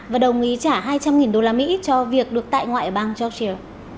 và đồng ý trả hai trăm linh đô la mỹ cho việc được tại ngoại ở bang georgia